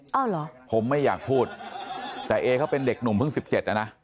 เอาเหรอผมไม่อยากพูดแต่เอเขาเป็นเด็กหนุ่มเพิ่ง๑๗นะนะ